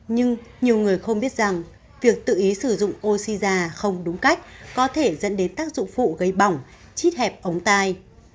nhưng nhiều người không biết rằng việc tự ý sử dụng oxy già không đúng cách có thể dẫn đến tác dụng phụ gây bỏng chít hẹp ống tai